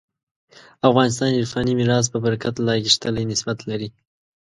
افغانستان عرفاني میراث په برکت لا غښتلی نسبت لري.